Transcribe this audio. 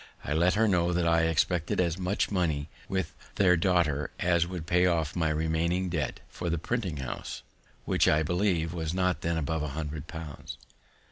I let her know that I expected as much money with their daughter as would pay off my remaining debt for the printing house, which I believe was not then above a hundred pounds.